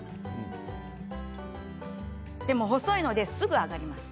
でも細いのですぐ揚がります。